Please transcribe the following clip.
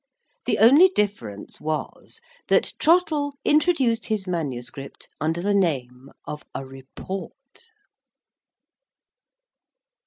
The only difference was that Trottle introduced his manuscript under the name of a Report.